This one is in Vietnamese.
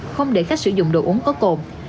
không để khách sử dụng đồ uống có cồn